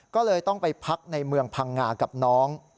ก็เลยต้องไปพักในเมืองพังงากับน้อง